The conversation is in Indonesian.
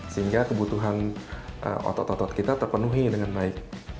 sehingga kebutuhan otot otot kita terpenuhi dengan baik